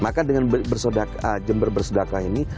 maka dengan jember bersedakah ini